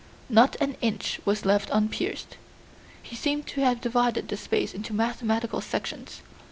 Not an inch was left unpierced. He seemed to have divided the space into mathematical sections.